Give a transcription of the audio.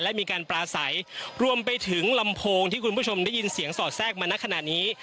และมีการปลาใสรวมไปถึงลำโพงที่คุณผู้ชมได้ยินเสียงสอดแทรกมาณขณะนี้